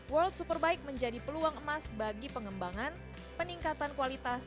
world superbike menjadi peluang emas bagi pengembangan peningkatan kualitas